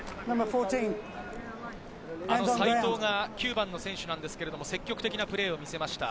齋藤が、９番の選手なんですけど、積極的なプレーを見せました。